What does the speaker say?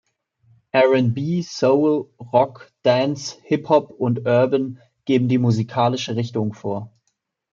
R&B, Soul, Rock, Dance, Hip Hop und Urban geben die musikalische Richtung vor.